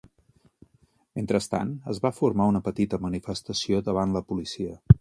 Mentrestant, es va formar una petita manifestació davant la policia.